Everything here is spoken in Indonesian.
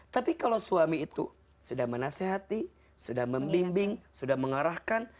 tapi kalau suami itu sudah menasehati sudah membimbing sudah mengarahkan